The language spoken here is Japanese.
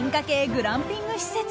グランピング施設